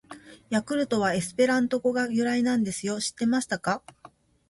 「ヤクルト」はエスペラント語が由来なんですよ！知ってましたか！！